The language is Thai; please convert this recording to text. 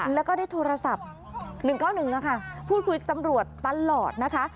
แล้วก็ได้โทรศัพท์๑๙๑พูดคุยกับตำรวจตลอดนะคะ